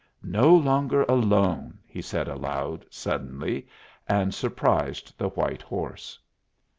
"No longer alone!" he said aloud, suddenly, and surprised the white horse.